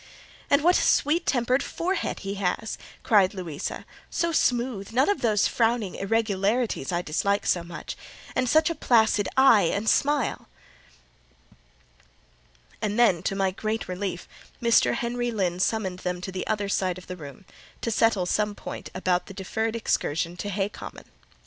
"And what a sweet tempered forehead he has!" cried Louisa,—"so smooth—none of those frowning irregularities I dislike so much; and such a placid eye and smile!" And then, to my great relief, Mr. Henry Lynn summoned them to the other side of the room, to settle some point about the deferred excursion to Hay Common.